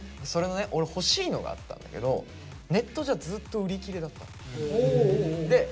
俺欲しいのがあったんだけどネットじゃずっと売り切れだったの。